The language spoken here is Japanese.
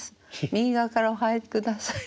右側からお入りください」。